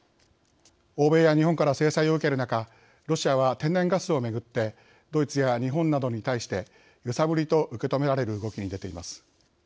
欧米や日本から制裁を受ける中ロシアは、天然ガスを巡ってドイツや日本などに対して揺さぶりと受け止められる動きに出ています。